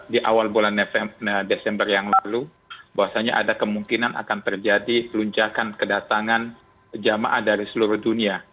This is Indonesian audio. di awal bulan desember yang lalu bahwasannya ada kemungkinan akan terjadi luncakan kedatangan jamaah dari seluruh dunia